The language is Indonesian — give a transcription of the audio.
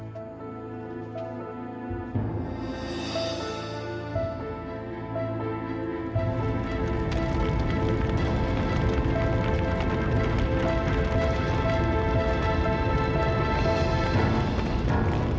bu kayaknya udah malam deh